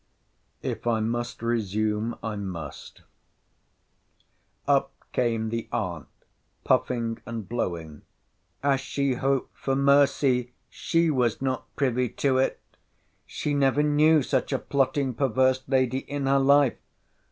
If I must resume, I must—— Up came the aunt, puffing and blowing—As she hoped for mercy, she was not privy to it! She never knew such a plotting, perverse lady in her life!